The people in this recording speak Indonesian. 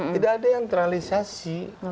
tidak ada yang terrealisasi